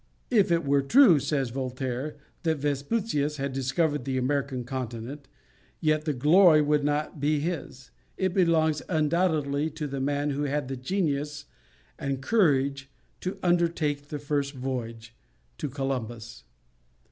"If it were true," says Voltaire, "that Vespucius had discovered the American Continent, yet the glory would not be his; it belongs undoubtedly to the man who had the genius and courage to undertake the first voyage, to Columbus."